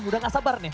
udah gak sabar nih